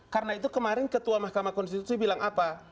karena itu kemarin ketua mahkamah konstitusi bilang apa